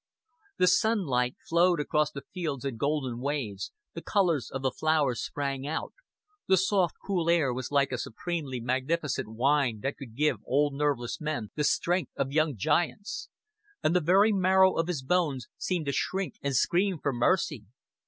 The sunlight flowed across the fields in golden waves, the colors of the flowers sprang out, the soft cool air was like a supremely magnificent wine that could give old nerveless men the strength of young giants; and the very marrow of his bones seemed to shrink and scream for mercy.